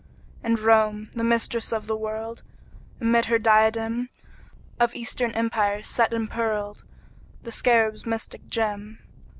And Rome, the Mistress of the World, Amid her diadem Of Eastern Empires set impearled The Scarab's mystic gem.